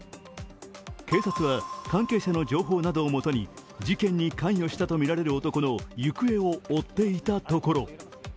警察は関係者の情報などをもとに事件に関与したとみられる男の行方を追っていたところ